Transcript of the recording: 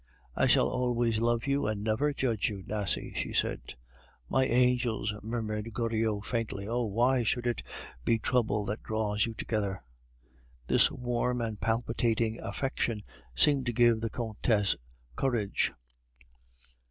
"I shall always love you and never judge you, Nasie," she said. "My angels," murmured Goriot faintly. "Oh, why should it be trouble that draws you together?" This warm and palpitating affection seemed to give the Countess courage.